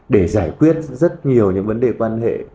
để giải quyết rất nhiều những vấn đề quan hệ